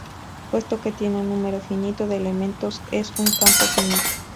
Puesto que tiene un número finito de elementos es un "campo finito".